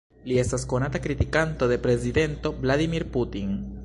Li estas konata kritikanto de prezidento Vladimir Putin.